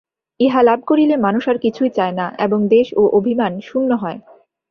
ইহা লাভ করিলে মানুষ আর কিছুই চায় না এবং দ্বেষ ও অভিমান-শূন্য হয়।